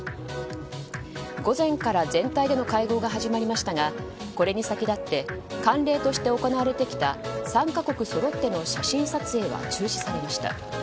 午前から全体での会合が始まりましたがこれに先立って慣例として行われてきた参加国そろっての写真撮影は中止されました。